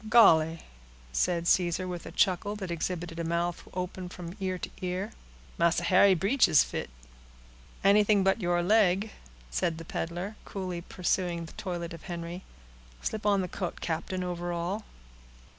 "Golly!" said Caesar, with a chuckle, that exhibited a mouth open from ear to ear, "Massa Harry breeches fit." "Anything but your leg," said the peddler, coolly pursuing the toilet of Henry. "Slip on the coat, captain, over all.